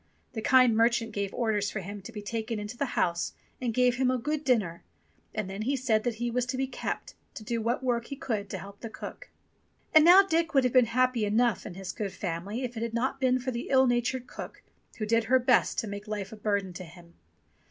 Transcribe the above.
The kind merchant gave orders for him to be taken into the house and gave him a good dinner, and then he said that he was to be kept, to do what work he could to help the cook. And now Dick would have been happy enough in this good family if it had not been for the ill natured cook, who did her best to make life a burden to him.